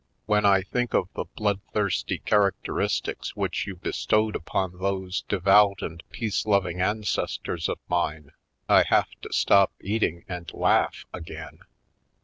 When I think of the blood thirsty char acteristics which you bestowed upon those devout and peace loving ancestors of mine I have to stop eating and laugh again."